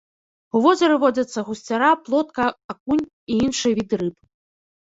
У возеры водзяцца гусцяра, плотка, акунь і іншыя віды рыб.